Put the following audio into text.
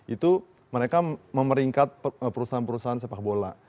itu mereka memeringkat perusahaan perusahaan sepak bola